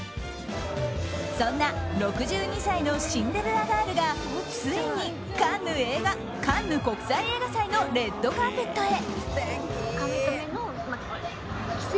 そんな６２歳のシンデレラガールがついに、カンヌ国際映画祭のレッドカーペットへ。